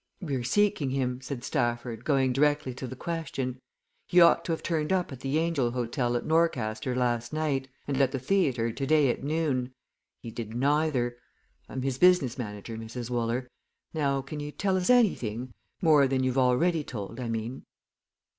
"We're seeking him," said Stafford, going directly to the question. "He ought to have turned up at the 'Angel Hotel' at Norcaster last night, and at the theatre today at noon he did neither. I'm his business manager, Mrs. Wooler. Now can you tell us anything more than you've already told, I mean?"